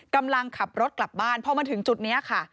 กำลังขับรถกลับบ้านพอมาถึงจุดนี้ค่ะ